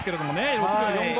６秒４５。